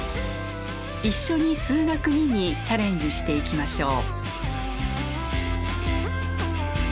一緒に「数学Ⅱ」にチャレンジしていきましょう。